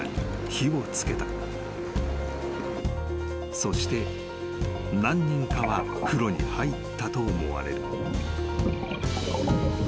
［そして何人かは風呂に入ったと思われる］